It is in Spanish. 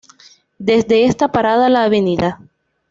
Desde esta parada la Av.